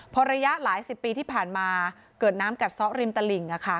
พอระยะหลายสิบปีที่ผ่านมาเกิดน้ำกัดซ้อริมตลิ่ง